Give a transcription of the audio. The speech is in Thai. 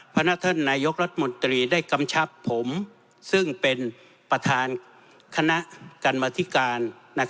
พระนักท่านนายกรัฐมนตรีได้กำชับผมซึ่งเป็นประธานคณะกรรมธิการ